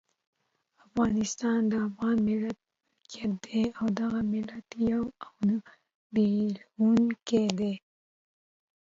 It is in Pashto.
افغانستان د افغان ملت ملکیت دی او دغه ملت یو او نه بېلیدونکی دی.